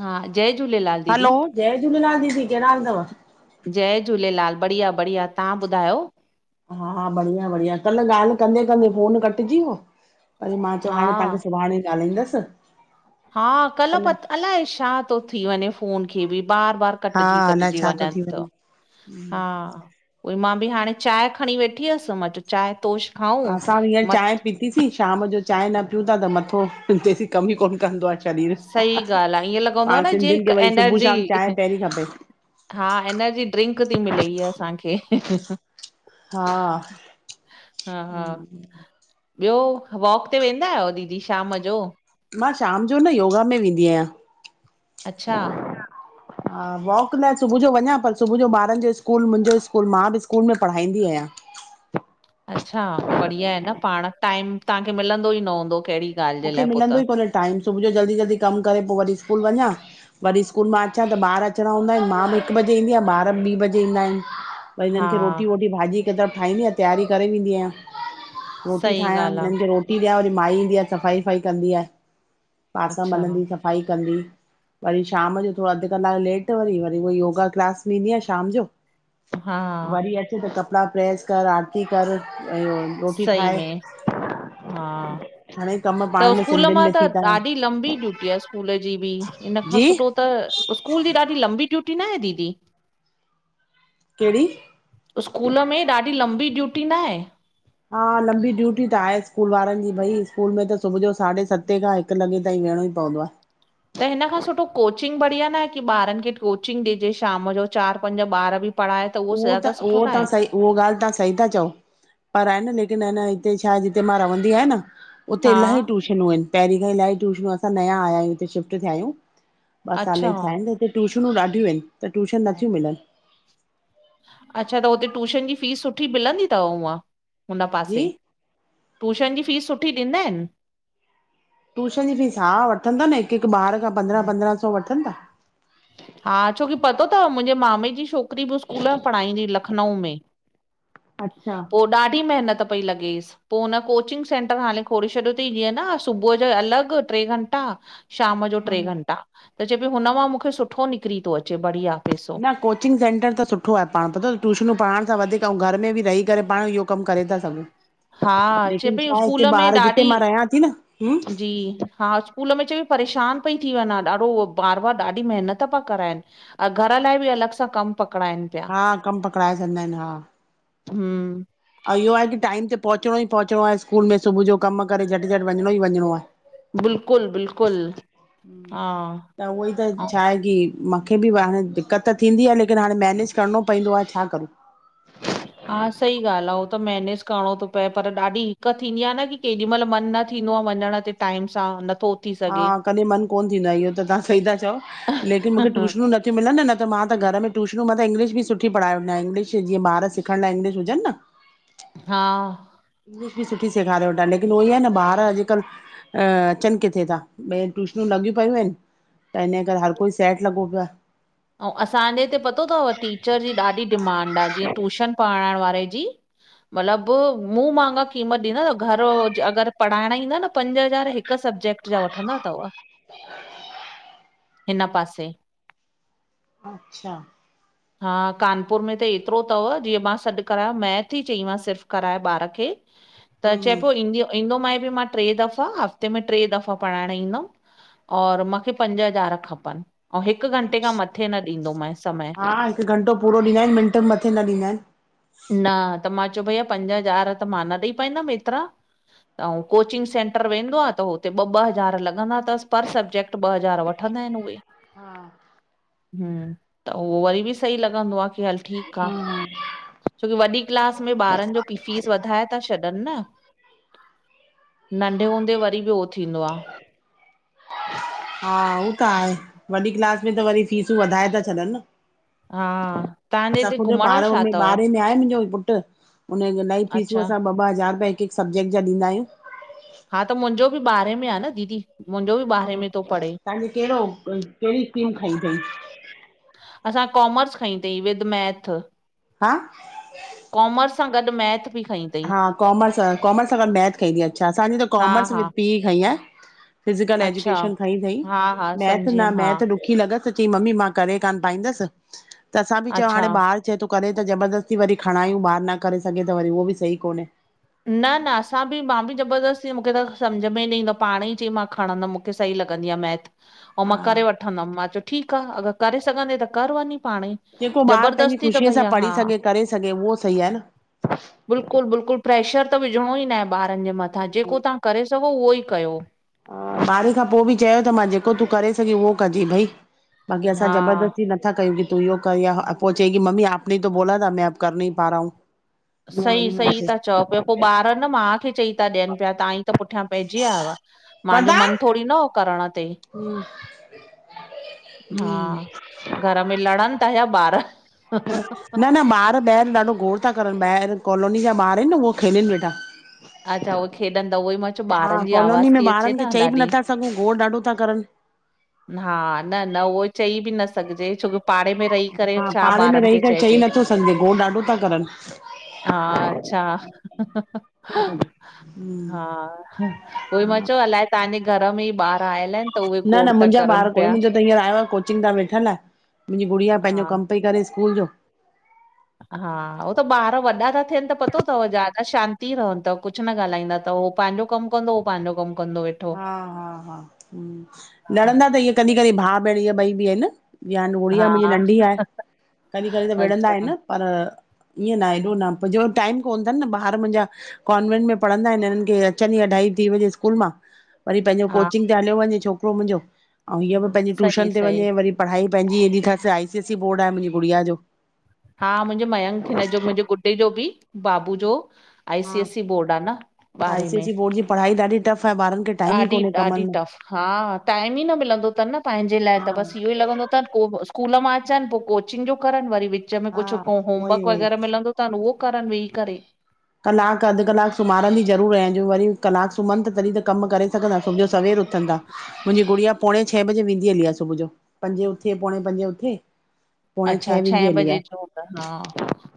हा, जय झूलेलाल हलो दीदी! जय झूलेलाल दीदी! कहिड़ा हाल तव? जय झूलेलाल! बढ़िया बढ़िया तहां ॿुधायो? हा हा, बढ़िया बढ़िया कल्ह ॻाल्हि कंदे कंदे फोन कटजी वयो। वरी मां चौ, हा हाणे तहांखे सुभाणे ॻाल्हाईंदस। हा, कल पतो अलाए छा तो थी वञे फोन खे बि बार बार हा कटजी अलाए कटजी छा थी वञन थो, वञे हा उओई मां बि हाणे चांय खणी वेठी हस, मां चयो चांय तोश खाऊं असां बि हींअर चांहि मत् पीतीसीं, शाम जो चांय न प्यूं था त मथो तेसीं कम कोन कंदो आ शरीर सही सां, ॻाल्हि आहे ईअं लॻंदो आहे पाण न जीअं सिंधयुन खे हिकु वरी सुभू एनर्जी शाम चांय पहिरीं खपे। हा, एनर्जी ड्रिंक ती मिले हीय असांखे। हा हूं ॿयो, वॉक ते वेंदा आयो दीदी शाम जो? मां शाम जो न, योगा में वेंदी आयां। अच्छा हा, वॉक लाइ सुभू जो वञा, पर सुभू जो ॿारन जो स्कूल, मुंजो स्कूल मां बि स्कूल में पढ़ाईंदी आयां। अच्छा, बढ़िया आहे न, पाण टाइम तहांखे मिलंदो ई न हूंदो कहिड़ी ॻाल्हि जे मूंखे लाइ पोइ त मिलंदो ई कोन्हे टाइम, सुभू जो जल्दी जल्दी कम करे पो वरी स्कूल वञा वरी स्कूल मां अचां, त ॿार अचणा हूंदा एन, मां बि हिक बजे ईंदी आयां, ॿार बि ॿी बजे ईंदा एन। पो हा हिनन खे रोटी वोटी भाॼी हिक तरफ़ ठाईंदी आयां तैयारी करे वेंदी आयां। रोटी सही ठायां, ॻाल्हि आहे हिनन खे रोटी ॾयां वरी माई ईंदी आ सफ़ाई वफ़ाई कंदी आ। बासण अच्छा मलंदी सफ़ाई कंदी। वरी शाम जो थोरो अध कलाक लेट, वरी वरी उओई योगा क्लास वेंदी आयां शाम जो। हा वरी अच त कपड़ा प्रेस कर, आरती कर रोटी सही ठाहे में, हा घणेई कम त पाण में उस्कूल सिंधियुनि मां में त थी था ॾाढ़ी वञनि। लंबी ड्यूटी आ स्कूल जी बि, इन खां जी सुठो त उस्कूल जी ॾाढी लंबी ड्यूटी नाहें दीदी? केढ़ी? उस्कूल में ॾाढी लंबी ड्यूटी नांहें? हा लंबी ड्यूटी त आहे स्कूल वारन जी, भई स्कूल में त सुभू जो साढ़े सतें खां हिकु लॻे ताईं वेहणो ई पवंदो आ। त हिन खां सुठो कोचिंग बढ़िया न आहे कि ॿारनि खे कोचिंग ॾिजे शाम जो चारि पंज ॿार बि पढ़ाए त उहो ज्यादा उहो सुठो न तव्हां आहे? सही उहो ॻाल्हि तहां सही था चओ पर आहे न लेकिन आहे न हिते छा जिते मां रवंदी आहियां न उते हा इलाही ट्यूशनयूं आहिन, पहिरीं खां इलाही ट्यूशनूं, असां नया आया आहियूं हिते शिफ्ट थिया आहियूं। ॿ साल ई अच्छा थिया आहिन त हिते ट्यूशनूं ॾाढियूं आहिन त ट्यूशन नथियूं मिलन। अच्छा त हुते ट्यूशन जी फीस सुठी मिलंदी थव उअं हुन जी पासे? टृयूशन जी फीस सुठी ॾींदा आहिन? ट्यूशन जी फीस, हा वठंदा अन हिकु हिकु ॿार खां पंद्रहं पंद्रहं सौ वठंन ता। हा छोकि पतो थव मुंहिंजे मामे जी छोकिरी बि स्कूल में पढ़ाईंदी लखनऊ में अच्छा पो ॾाढी महिनत पई लॻेसि पो हुन कोचिंग सेंटर हाणे खोले छॾियो थई जीअं न सुबुह जो अलॻि ट्रे घंटा शाम जो ट्रे घंटा त चए पई हुन मां मूखे सुठो निकिरी थो अचे बढ़िया पेसो। न कोचिंग सेंटर त सुठो आ पाण पतो तव ट्यूशनूं पढ़ाइण सां वधीक ऐं घर में बि रही करे पाण इहो कमु करे था सघूं। हा चए लेकिन पई छा आहे स्कूल हिते में ॿार जिते मां ॾाढी, रहियां थी न हूं जी हा। स्कूल में चई परेशान पई थी वंञा, ॾाढो उअ बार बार ॾाढी महिनत पिया कराइनि। अं घर लाइ बि अलॻ सां कमु पकिड़ाइनि। हा, कम पकड़ाए छॾींदा आहिन, हा। हम्म अ इहो आहे की टाइम ते पहुचणो ई पहुचणो आहे स्कूल में सुबुह जो कम करे झट- झट वञिणो ई वञिणो आ। त बिल्कुलु बिल्कुलु हा उहोई त हा छा हे कि मंखे बि हाणे दिक्क़त त थींदी आ लेकिन हाणे मेनेज करिणो पवंदो आ छा करूं। हा सही ॻाल्हि आ उह त मेनेज करिणो थो पए पर ॾाढी दिक्कत थींदी आ न कि केॾी मइल मन न थींदो आ वञण ते टाइम सां नथो उ हा कॾहिं मन कोन थींदो आहे, इहो त तहां सही था चओ लेकिन मूंखे ट्यूशनू न थ्यूं मिलन त मां त घर में ट्यूशनूं, मां त इंग्लिश बि सुठी पढ़ाय वठा आ, इंग्लिश जीअं ॿार सिखण लाइ इंगलिश हुजन न। हा इंगलिश बि सुठी सेखारे वठां लेकिन उहो ई आ न ॿार अॼुकल्ह अ अचनि किथे था, ॿे हंद ट्यूशनूं लॻियूं पयूं आहिन। त इनये करे हर कोई सैट लॻो पियो आ। अंउ असांजे हिते पतो थव टीचर जी ॾाढी डिमांड आ जीअं टूशन पढ़ाइण वारे जी। मतलब मु मांगा क़ीमत ॾींदा तव, घर अगरि पढ़ाइण ईंदा न पंज हज़ार हिक हिक सब्जेक्ट जा वठंदा थव। ह [unintelligible] हिन पासे। अच्छा। हा कानपुर में त एतिरो तव, जीअं मां सॾु करायो, मैथ ही चई मांस सिर्फ़ कराए ॿार खे ह [inaudible] त चए पियो ईंदी ईंदोमाए बि मां ट्रे दफ़ा, हफ़्ते में ट्रे दफ़ा पढ़ाइणु ईंदमि और मांखे पंज हज़ार खपनि, अंउ हिकु घंटे खां मथे न ॾींदोमय समय। हिक घंटो पूरो ॾिंदा आहिन, मिंट मथे न ॾींदा आहिन। न त मां चयो भईया पंज हज़ार त मां न ॾेई पाईंदम एतिरा। अऊ कोचिंग सेंटर वेंदो आ त हुते ॿ ॿ हज़ार लॻंदा तसि पर सब्जेैक्ट त ॿ हज़ार वठंदा आहिन उहे। हा। हम्म त उहो वरी बि सही लॻंदो आ की हल ठीक आ। छोकी वॾी क्लास में ॿारनि जो पि फीस वधाए था छॾनि न। नंढे हूंदे वरी बि उहो थींदो आ। हा उह त आहे वॾी क्लास में त वरी फीसूं वधाए था छॾनि न। हा, तव्हांजे असां हिते खुद जो घुमण ॿारो छा में तव? ॿारहे में आहे मुंजो पुट। उनजो इलाही फीसूं अच्छा, असां ॿ ॿ हज़ार रुपया हिकु हिकु सबजेक्ट जा ॾंदा आहियूं। हा त मुंहिंजो बि ॿारे में आ न दीदी। मुंहिंजो बि हा ॿारहें में थो पढ़े। तव्हांजो कहिड़ो कहिड़ी स्ट्रीम खई अथईं? असां कॉमर्स खईं अथईं विद मैथ। हा कॉमर्स सां गॾु मैथ बि खईं तई। हा कॉमर्स हा, कॉमर्स सां ॻॾ मैथ खईंदी अच्छा असांजी त हा, कॉमर्स विथ हा, पी ई खईं आ। फिज़िकल अच्छा, एजुकेशन खई थई हा, हा, मैथ समझी न वियमि हा, मैथ ॾु ॾुखी लॻसि त चई मम्मी मां करे किन पाईंदसि त असां बि चओ हाणे अच्छा। ॿार चेय थो करे त ज़बरदस्ती वरी खणायूं ॿार न करे सघे त वरी उहो बि सही कोन्हे। न न असां बि मां बि ज़बरदस्ती मूंखे त सम्झ में ई न ईंदो आ पाणे ई चई मां खणंदमि मूंखे सही लॻंदी आ मैथ। ऐंऊं मां करे वठंदमि। मां चयो ठीक आ अगर करे सघंदे, त कर वञी पाणेई। जेको ॿारु पंहिंजी ख़ुशीअ सां पढ़ी सघे, करे सघे उहो सही आ न। बिल्कुल बिल्कुल प्रेशर त विझणो ई न आहे ॿारनि जे मथां जेको तव्हां करे सघो उहो ई कयो। ॿारहे खां पो बि चयो त मां जेको तूं करे सघीं उहो कजे भई। बाक़ी असां हा ज़बरदस्ती न न था कयूं की तूं इयो कर या पो चई कि मम्मी आप ने ही तो बोला था मै अब कर नही पा रहा हू। सई सई ता चओ पिया पो ॿार न मां खे चई ता ॾियनि पिया तव्हां ई त पुठियां पइजी विया हुव मुंहिंजो मन थोरहड़ी न होओ करण ते। हम्म हा हम्म घर में लड़नि था या ॿार? न न ॿार ॿाहिरि ॾाढो गोण था करनि ॿाहिरि कॉलोनी जा ॿार आहिनि न उहे खेलनि वेठा। अच्छा उहे खेॾंदा उहो ई मां चयो हा ॿारनि जी कॉलोनी आवाज़ में थी अचे ॿारनि खे न चई बि ॾाढी। नथा सघूं गोर ॾाढो था करनि। हा न न उहो चई बि न सघजे छोकी पाड़े में रही करे हा छा पाड़े में ॿारनि रही खे करे चई चइजे। नथो सघजे गोण ॾाढो था करनि। हा अच्छा ह ह ह हा उहई मां चयो अलाए तव्हांजे घर में ई ॿार आयल आहिनि त उहे न गोड़ न था मुंहिंजा करनि ॿार कोनन पिया। मुंहिंजो त हींअर आयो आ कोचिंग ता वेठल मुंहिंजी गुड़िया पंहिंजो हा कमु पई करे स्कूल जो हा उहो त ॿार वॾा था थियनि त पतो तव ज्यादा शांती रहनि अथव कुछ कुछ न ॻाल्हाईंदा त हो पंहिंजो कमु कंदो हो पंहिंजो कमु कंदोव वेठो। हा हा हा हम्म हा लड़ंदा त इअं कॾहिं कॾहिं भाउ भेण इअं बई बि आहिनि। या गुड़िया मुंहिंजी हा, नंढी आहे कॾहिं कॾहिं त विढ़ंदा अच्छा आहिनि पर ईअं न हेएॾो न, मुहिंजे वरी टाइम कोन्ह तनि न ॿार मुंहिंजा कॉन्वेंट में पढ़ंदा इनि हिननि खे अचनि ई अढाई टी वजे स्कूल मां वरी पंहिंजो हा कोचिंग ते हलियो वञे छोकिरो मुंहिंजो ऐं हीअं बि पंहिंजी सही ट्यूशन ते सही वञे वरी पढ़ाई पंहिंजी हेॾी अथसि आई सीएसी बोर्ड आहे मुंहिंजी गुड़िया जो हा मुंहिंजे मयंक हिन जो मुंहिंजे गुडडे जो बि बाबू जो I C S E board आ न बारहे में। मुंजी पढाई ॾाढी टफ आहे, ॿारनि खे टाइम ई कोन्हे ॾाढी- ॾाढी कमनि में टफ, हा टाइम ई न मिलंदो थनि न पंहिंजे लाए हा त, बसि इहो ई लॻंदो त को स्कूल मां अचनि, पो कोचिंग जो करनि, वरी विच में हा कुछु उहोई होमवर्क उहोई वग़ैरह मिलंदो त उहो करन वेई करेे। कलाक अधु कलाकु सुम्हारींदी ज़रूरु आहयां, जो वरी कलाकु सुम्हनि तॾहिं त कमु करे सघंदा, सुबुह जो सवेल उथन ता। मुंहिंजी गुड़िया पोणे छंए बजे वेंदी हली आ सुबुह जो, पंजे उथे पोणे पंजे उथे। पोणे अच्छा छंए वेंदी हली आ। हा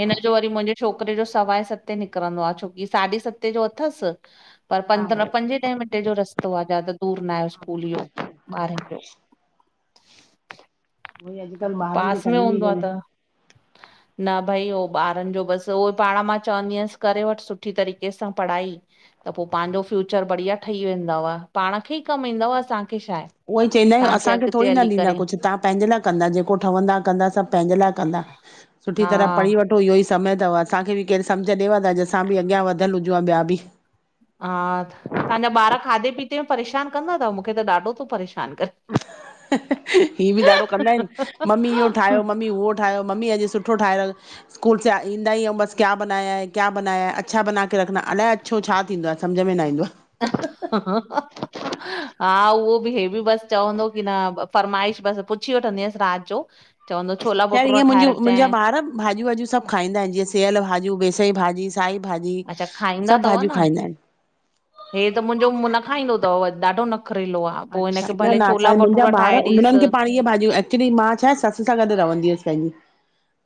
हिनजो वरी मुंहिंजे छोकिरे जो सवांए सते निकिरंदो आ, छोकी साढी सतें जो अथसि पर हा पंद्रहं पंजे ॾह मिंटे जो रस्तो आ, ज्यादा दूर न आहे स्कूल इयो ॿारनि जो। वरी अॼुकल्ह ॿारनि खे पास में टाइम ई हूंदो आ कोन्हे। त न भई उहो ॿारनि जो बसि, उहो पाण मां चवंदी आंयासि करे वठि सुठी तरीक़े सां पढ़ाई। त पोइ पंहिंजो फ्यूचर बढ़िया ठही वेंदव, पाण खे ई कमु ईंदव, असांखे छा आहे उहो ई चइंदा आहियूं, तव्हांखे असांखे थोङी अॻिते न हली ॾींदा करे कुछ तां पहिंजे लाए कंदा, जेको ठंवदा कंदा सब पंहिंजे लाए कंदा, सुठी हा तरह पढ़ी वठो सुठो इयो ई समय थव, असांखे बि केरु सम्झ ॾेव हां त अॼु असां बि अॻियां वधियलु हुजूं आं ॿिया बि। हा, तवहांजा ॿार खाधे पीते में परेशान कंदा थव? मूंखे त ॾाढो थो परेशान करे। ही बि ॾाढो कंदा आहिनि, मम्मी इहो ठाहियो मम्मी उहो ठाहियो ठायो, मम्मी अॼु सुठो ठायोहो। स्कूल सां आ ईंदा ई बस, क्या बनया है, क्या बनया है, अच्छा बनाके रखना, अलाए छा अच्छो छा थींदो आहे समझ में न ईंदो आ। ह ह ह [unintelligible] हा उहो बि, हे बि बसि चवंदो कि न फरमाइश बसि पूछी वठंदी आयास राति जो। चवंदो छोला ख़ैर भटूरा ईअं ठाहे मुंहिंजा रखजांइ ॿार भाॼियूं वाॼियूं सब खाईंदा आहिनि, जीअं सिअल भाॼियूं, बेसई भाॼी, साई भाॼी, अच्छा खाईंदा सब अथव भाॼियूं न खाईंदा आहिन। हे त मुंहिंजो उम्म न खाईंदो थव, ॾाढो नखरेलो आ। अच्छा, न न असां मुंहिंजा ॿार उन्हनि ॾिसु खे पाण ईए भाॼियूं, एक्चयुली मां छा आहे ससु सां गॾु रहंदी हुअसि पंहिंजी।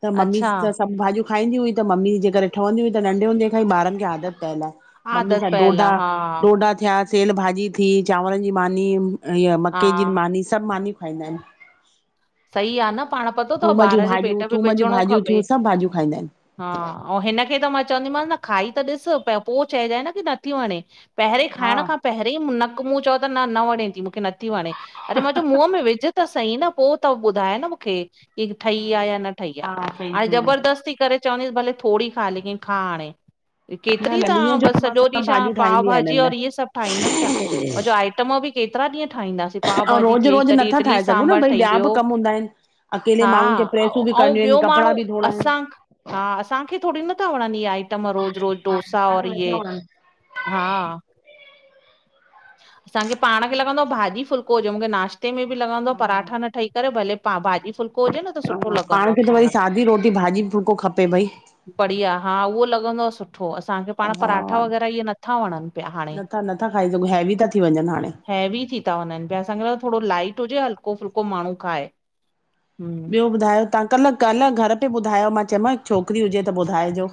त मम्मी अच्छा त सभु भाॼियूं खाईंदी हुई त मम्मी जे करे ठहंदी हुयूं त नंढे हूंदे खां ई ॿारनि खे आदत पियल आ, मम्मी आदत जा पयल डोडा, आहे हा डोडा थ्या, सियल भाॼी थी, चांवर जी मानी, ईअ मक्के जी हा मानी, सब मानयूं खाईंदा आहिन। सही आ न, पाण पतो थव थूम जूं ॿार जे पेट भाॼियूं में थूम जूं विझणो भाॼियूं खपे। थियूं सभु भाॼियूं खाईंदा आहिनि। हा, औं हिनखे त मां चवंदीमास न खाई त ॾिस पर पो चइजें न कि नथी वणे। पहिरें ई हा खाइण खां पहिरें ई नक मुंहं चओ त न न वणे थी मूंखे नथी वणे, अरे मां चयो मुंहं में विझ त सही न, पो त ॿुधाए न मूंखे। कि ठही आ या न ठही आ, हा सही हाणे सही। ज़बरदस्ती करे चवंदसि भले थोङी खाउ लेकिन खा हाणे। न केतिरी न तहां, ॾींहं जो बस त मां सॼो ॾींहं सभु छा भाॼियूं पाव ठाहींदी आहियां भाजी हिननि और लाइ इहे सब ठाहींदमि छा, मां चयो आई टम बि केतिरा ॾींहं ठाहिंदासे, पाव ऐं भाजी रोज़ थी वई, रोज़ कॾहिं नथा इटली ठाहे सघूं न सांभर भई ठई ॿिया बि उ, कम हूंदा आहिनि। अकेले माण्हुनि हा, खे प्रेसूं ओ बि औं करणियूं आहिनि ॿियो कपिड़ा माण्हू बि धोइणा आहिनि। असां हा असांखे थोङी नथा वणन इहे आइटम रोज़ रोज़ हा डोसा और असांखे इये नथा वणनि हा असांखे पाण खे लॻंदो आ भाॼी फुलको हुजे, मूंखे नाश ते में बि लॻंदो आ हा। परांठा न ठही करे भले पा भाॼी फुल्को हुजे न त सुठो लॻंदो आ खाएंण। भई सादी रोटी भाॼी फुल्को खपे भई बढ़िया हा उहो लॻंदो आ सुठो। असांखे पाण हा पराठा वग़ैरह इहे नथा वणनि पिया हाणे नथा नथा खाई सघूं, हैवी था थी वञनि हाणे। हैवी थी था वञनि पिया असांखे त थोरो लाइट हुजे हलको फुल्को माण्हू खाए। हम्म ॿियो ॿुधायो? तव्हां कल्ह- कल्ह घर ते ॿुधायो मां चयो मां छोकिरी हुजे त ॿुधाइजो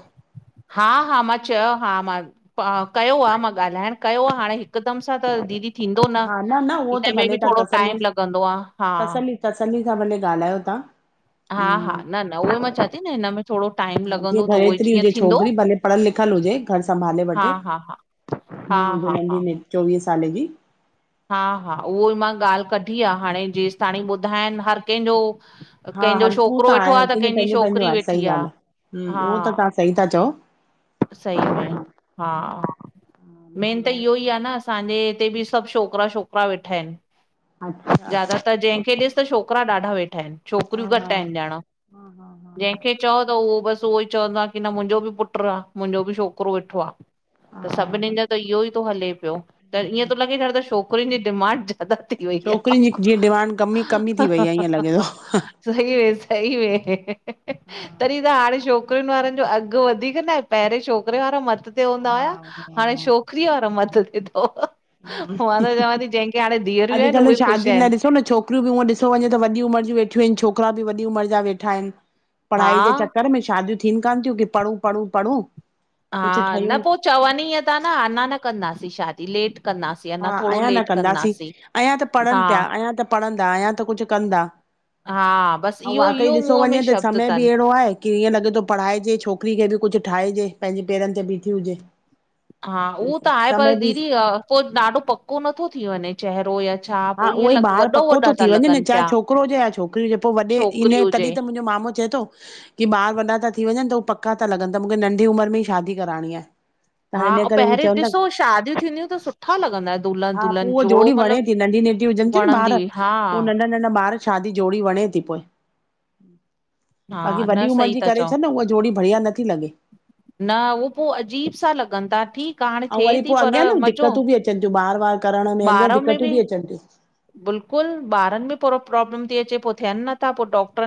हा -हा मां चयो हा, मां पा कयो आ मां ॻाल्हाइण कयो आ, हाणे हिकदमि सां त दीदी थींदो न, हा न उहो त हिन में भले बि थोरो टाइम लॻंदो आ हा तसल्ली सां भले ॻाल्हायो तव्हां हा हा, न न उहो ई मां चां थी न हिन में थोरो टाइम हा लॻंदो जीअं त उहो ई घरेतिरी जीअं हुजे थींदो छोकिरी भले पढ़ियल लिखियल हुजे, घर संभाले हा वठे। हा हा हा इएं हुंदो हा हा महीने में चोवीह साले जी हा- हा उहो ई मां ॻाल्हि कढी आ हाणे जेसि ताणी ॿुधाइन हर कंहिंजो हा कंहिंजो हर हू छोकिरो आहे वेठो आ, हर त कंहिंजो कंहिंजी पंहिंजो पंहिंजो छोकिरी आहे सही वेठी आ, ॻाल्हि आहे हा हम्म उहो त तव्हां सही था चओ सही में, हा मेन त इहो ई आ न असांजे हिते बि सभु छोकिरा- छोकिरा वेठा आहिनि। अच्छा त जंहिंखे ॾिस त छोकिरा ॾाढा वेठा आहिनि, छोकिरियूं घटि आहिनि ॼणा जंहिंखे चओ त उहो बसि उहो ई चवंदो आ कि न मुंहिंजो बि पुट्रु आ, मुंहिंजो बि छोकिरो वेठो आ। त हा सभिननि जो त इहो ई थो हले पियो, त ईअं थो लॻे ॾयण त छोकिरियुनि जी डिमांड [unintelligible] थी वई हीअ, छोकिरियुनि हा हा, जी जीअं डिमांड कम ई कम ई ह हा थी वई हा आहे ईअं हा लॻे थो। हा हा ह सही में सही में, ही -ही, ही- ही तॾहिं त हाणे छोक छोकुरिनि वारनि जो अघु वधीक न, पहिरें छोकिरे वारा मथते हूंदा हा हुया। हाणे छोक रीअ वारा मथते थहो, मां त चवां थी जंहिंखे हाणे धीअरियूं आहिनि उहे ख़ुशि आहिनि। छोकरियु हूंअं ॾिसो वञे त वॾी उमर जूं वेठियूं आहिनि, छोकिरा बि वॾी उमर जा वेठा आहिनि। पढ़ाई जे हा चक्कर में शादियूं थियनि कान थियूं कि पढ़ूं- पढ़ूं- पढ़ूं कुझु हा ठहियूं न पो चवनि ई ईअं था न अञा न कंदासीं शादी लेट कंदास हा अयां न कंदासीं, अयां त हा पढ़नि पिया, अयां त पढ़हंदा, अयां त कुझु कंदा। हा बसि औं इहो वाकई इहो ॾिसो मुंहं में वञे त शब्द समय बि तनि अहिड़ो आहे कि हीअं लॻे थो पढ़ाइजे छोकिरी खे अॼ कुझु ठाहिजे, पंहिंजे पेरनि ते बीठी हुजे। हा उहो त आहे पर समय बि दीदी पोइ ॾाढो पको नथो थी वञे चहिरो या छा हा पो ईअं उहोई लॻ ॿार वॾो पको थो वॾा था थी वञे न लॻनि चाहे पिया छोकिरो हुजे या छोकिरी हुजे पो वॾे छोकिरी इने हुजे तॾहिं त मुंहिंजो मामो चए थो की ॿार वॾा था थी वञनि त उ पका ता लॻनि त मूखे नंढी उमिरि में ई शादी कराइणी आहे। हा तहिन ऐं करे हू पहिरीं चवंदा ॾिसो शादियूं थींदियूं त सुठा लॻंदा दुल्हन हा पोइ दुल्हन उहा जोड़ो जोड़ी वणे मतिलबु थी नंढी नंटि हुजनि थी न वणंदी ॿार हुई हा पोइ नंढा नढन ॿार शादी जोड़ी वणे थी पोइ। बाक़ी हा वॾी न उमिरि सही जी था करे चओ छॾ न उहा जोड़ी बढ़िया नथी लॻे। न उहो पो अजीब सां लॻनि था ठीक अउं वरी पोइ अॻियां न दिक्क़तूं ति अचनि थियूं बार वार करण में अॻियां ॿार में दिकतूं बि ती अचनि थियूं। बिल्कुलु ॿारनि में पो प्रॉब्लम थी अचे पोइ थियनि नथा पोइ डॉक्टर